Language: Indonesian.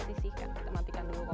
sisihkan kita matikan dulu kompornya